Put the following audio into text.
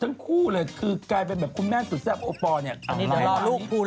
ทั้งคู่เลยคือกลายเป็นแบบคุณแม่สุดท้ายอาทิตย์โอปอล์นี่